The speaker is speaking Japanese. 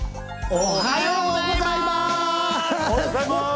おはようございます！